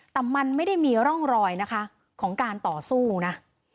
แต่มันไม่ได้มีร่องรอยนะคะของการต่อสู้นะ